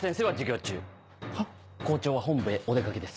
校長は本部へお出掛けです。